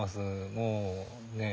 もうねえ。